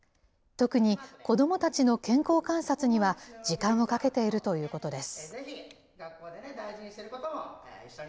特に子どもたちの健康観察には時間をかけているということです。